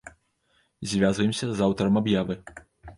Звязваемся з аўтарам аб'явы.